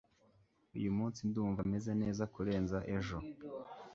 uyu munsi ndumva meze neza kurenza uko ejo